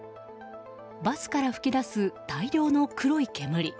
バスから噴き出す大量の黒い煙。